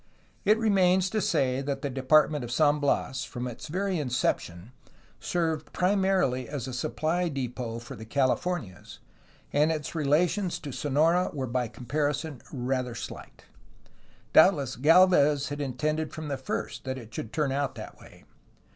It remains to say that the Department of San Bias, from its very inception, served primarily as a supply depot for the CaHfornias, and its relations to Sonora were by comparison rather slight; doubtless Galvez had in tended from the first that it should turn out that way.